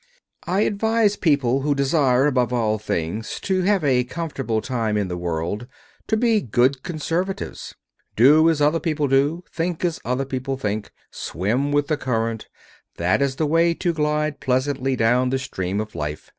I advise people who desire, above all things, to have a comfortable time in the world to be good conservatives. Do as other people do, think as other people think, swim with the current that is the way to glide pleasantly down the stream of life.